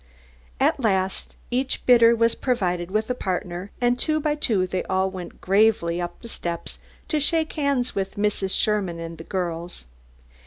At last each bidder was provided with a partner, and two by two they all went gravely up the steps to shake hands with Mrs. Sherman and the girls.